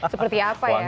seperti apa ya